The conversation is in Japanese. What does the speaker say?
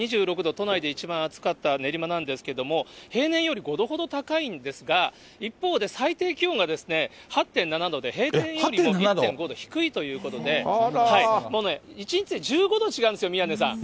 都内で一番暑かった練馬なんですけど、平年より５度ほど高いんですが、一方で、最低気温が８．７度で、平年よりも１．５度低いということで、もうね、１日で１５度違うんですよ、宮根さん。